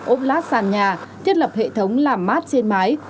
ốp lát sàn nhà thiết lập hệ thống làm mát trên mái